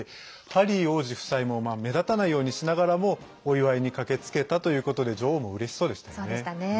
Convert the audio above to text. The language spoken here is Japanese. ハリー王子夫妻も目立たないようにしながらもお祝いに駆けつけたということで女王も嬉しそうでしたよね。